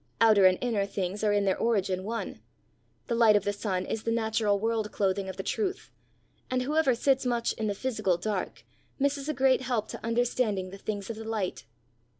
Outer and inner things are in their origin one; the light of the sun is the natural world clothing of the truth, and whoever sits much in the physical dark misses a great help to understanding the things of the light.